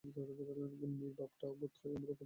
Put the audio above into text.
গিন্নীর ভাবটা বোধ হয় আমার উপর কিছু বিরূপ।